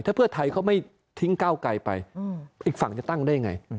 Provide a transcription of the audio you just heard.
ถ้าเพื่อไทยเขาไม่ทิ้งก้าวไกลไปอีกฝั่งจะตั้งได้ยังไง